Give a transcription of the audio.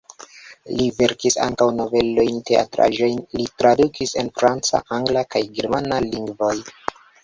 Li verkis ankaŭ novelojn, teatraĵojn, li tradukis el franca, angla kaj germana lingvoj.